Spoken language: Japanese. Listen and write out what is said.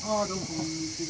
こんにちは。